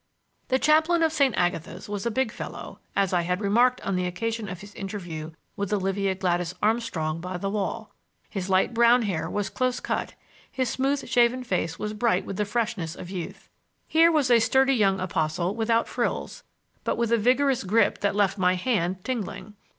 The chaplain of St. Agatha's was a big fellow, as I had remarked on the occasion of his interview with Olivia Gladys Armstrong by the wall. His light brown hair was close cut; his smooth shaven face was bright with the freshness of youth. Here was a sturdy young apostle without frills, but with a vigorous grip that left my hand tingling.